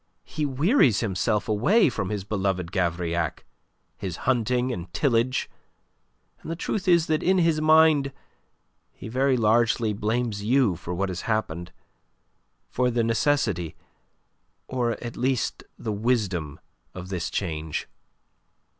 He wearies himself away from his beloved Gavrillac, his hunting and tillage, and the truth is that in his mind he very largely blames you for what has happened for the necessity, or at least, the wisdom, of this change.